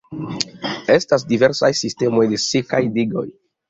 Estas diversaj sistemoj de sekaj digoj.